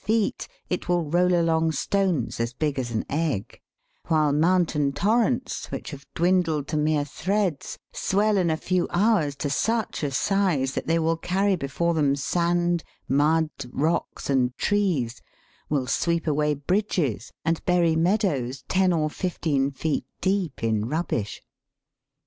49 feet it will roll along stones as big as an egg ; while mountain torrents which have dwindled to mere threads, swell in a few hours to such a size that they will carry before them sand, mud, rocks, and trees, will sweep away bridges, and bury meadows ten or fifteen feet deep in rubbish.